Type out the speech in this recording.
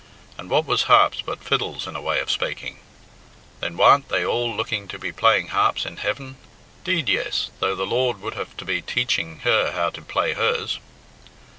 And what was harps but fiddles in a way of spak ing? Then warn't they all looking to be playing harps in heaven? 'Deed, yes, though the Lord would have to be teaching her how to play hers!